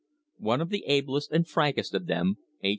One of the ablest and frankest of them, H.